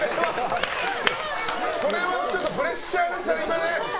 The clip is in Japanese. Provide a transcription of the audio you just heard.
これはちょっとプレッシャーでしたね。